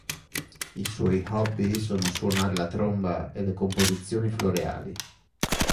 I suoi hobby sono suonare la tromba e le composizioni floreali.